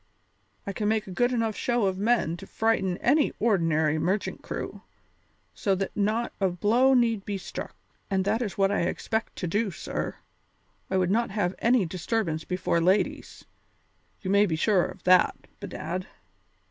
I can make a good enough show of men to frighten any ordinary merchant crew so that not a blow need be struck. And that is what I expect to do, sir. I would not have any disturbance before ladies, you may be sure of that, bedad.